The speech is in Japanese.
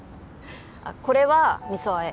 これは味噌あえ